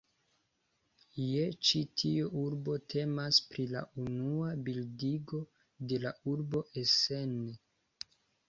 Je ĉi tiu urbo temas pri la unua bildigo de la urbo Essen.